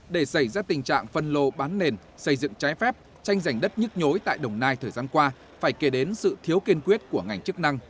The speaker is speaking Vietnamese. để xảy ra tình trạng phân lô bán nền xây dựng trái phép tranh giành đất nhức nhối tại đồng nai thời gian qua phải kể đến sự thiếu kiên quyết của ngành chức năng